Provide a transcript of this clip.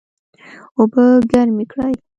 اوبه ګرمې کړئ